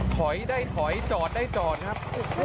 ถอยได้ถอยจอดได้จอดครับ